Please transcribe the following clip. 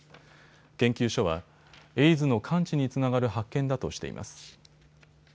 研究所はエイズの完治につながる発見だとしています。